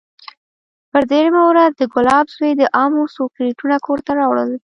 پر درېيمه ورځ د ګلاب زوى د امو څو کرېټونه کور ته راوړل.